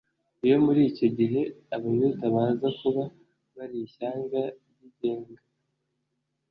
Iyo muri icyo gihe Abayuda baza kuba bari ishyanga ryigenga,